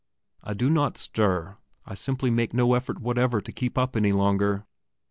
I do not stir; I simply make no effort whatever to keep up any longer.